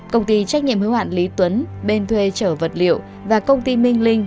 công ty trách nhiệm hữu hạn lý tuấn bên thuê chở vật liệu và công ty minh linh